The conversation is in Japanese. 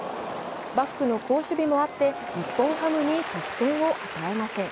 バックの好守備もあって、日本ハムに得点を与えません。